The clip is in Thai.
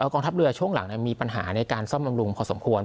กองทัพเรือช่วงหลังมีปัญหาในการซ่อมบำรุงพอสมควร